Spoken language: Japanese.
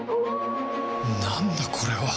なんだこれは